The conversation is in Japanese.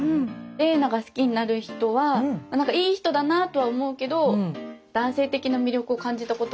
玲奈が好きになる人はいい人だなとは思うけど男性的な魅力を感じたことは一回もない。